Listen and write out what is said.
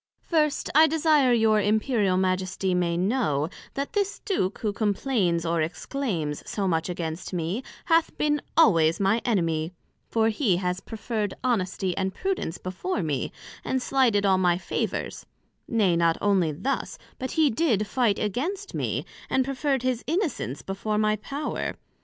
First, I desire your Imperial Majesty may know, that this Duke who complains or exclaims so much against me, hath been always my enemy; for he has preferred Honesty and Prudence before me, and slighted all my favours; nay, not onely thus, but he did fight against me, and preferred his Innocence before my Power.